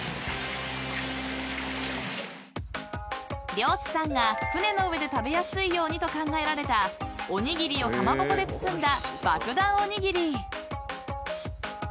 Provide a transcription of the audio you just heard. ［漁師さんが船の上で食べやすいようにと考えられたおにぎりをかまぼこで包んだ］